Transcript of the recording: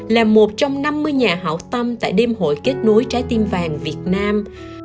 là một trong năm mươi nhà hảo tâm tại đêm hội kết nối trái tim vàng việt nam